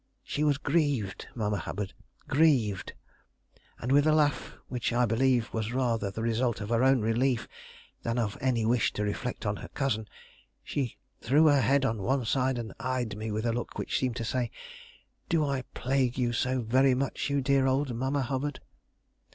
She was grieved, Mamma Hubbard, grieved." And with a laugh which I believe was rather the result of her own relief than of any wish to reflect on her cousin, she threw her head on one side and eyed me with a look which seemed to say, "Do I plague you so very much, you dear old Mamma Hubbard?"